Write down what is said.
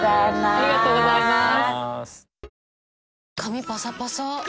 ありがとうございます。